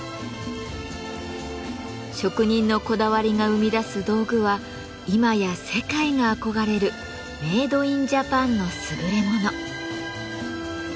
職人のこだわりが生み出す道具は今や世界が憧れるメード・イン・ジャパンのすぐれもの。